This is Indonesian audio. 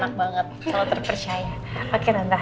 kalo terpercaya oke tante